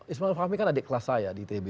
ismail fahmi kan adik kelas saya di itb